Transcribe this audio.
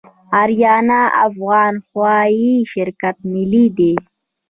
اریانا افغان هوایی شرکت ملي دی